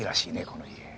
この家。